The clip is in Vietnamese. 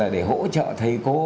để hỗ trợ thầy cô